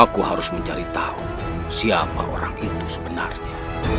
aku harus mencari tahu siapa orang itu sebenarnya